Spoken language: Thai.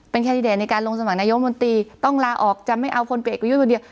แคนดิเดตในการลงสมัครนายกมนตรีต้องลาออกจะไม่เอาพลเอกประยุทธ์คนเดียว